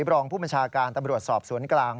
รองผู้บัญชาการตำรวจสอบสวนกลาง